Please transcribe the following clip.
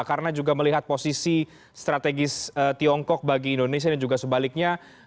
karena juga melihat posisi strategis tiongkok bagi indonesia dan juga sebaliknya